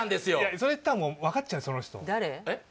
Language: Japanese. それ言ったら分かっちゃうその人誰？